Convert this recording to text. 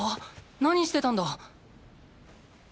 何してたんだ？